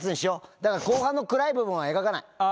だから後半の暗い部分は描かない。